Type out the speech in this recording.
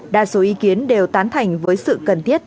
đa số ý kiến đều tán thành với sự cần thiết